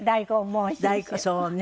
そうね。